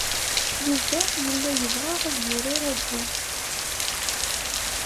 Yuba yella yebɣa ad yurar agulf.